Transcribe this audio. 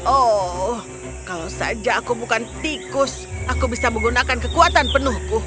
oh kalau saja aku bukan tikus aku bisa menggunakan kekuatan penuhku